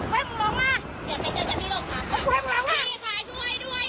เล่าหลายช่วยด้วยพี่ช่วยด้วย